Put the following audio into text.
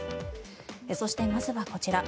そして、まずはこちら。